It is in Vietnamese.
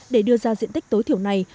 để đưa ra diện tích tối thiểu này